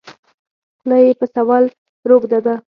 خوله یې په سوال روږده ده.